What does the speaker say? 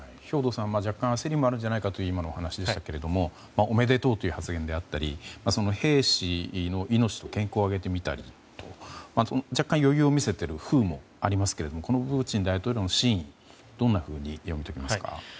若干、焦りもあるんじゃないかという話でしたがおめでとうという発言だったり兵士の命と健康を挙げてみたりと若干、余裕を見せているふうにも見えますがプーチン大統領の真意をどう読み取りますか？